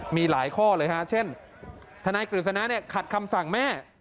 มีหลายข้อเลยครับเช่นทนายกริษณะขัดคำสั่งแม่